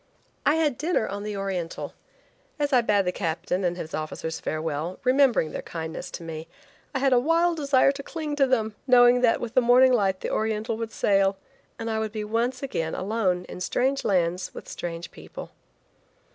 I had dinner on the Oriental. As I bade the captain and his officers farewell, remembering their kindness to me, I had a wild desire to cling to them, knowing that with the morning light the Oriental would sail, and I would be once again alone in strange lands with strange people.